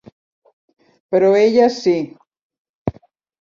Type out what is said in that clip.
Però ella sí.